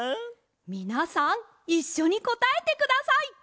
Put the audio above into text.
みなさんいっしょにこたえてください。